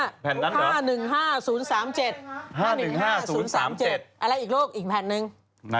อะแหละอีกโลกอีกแผ่นนึง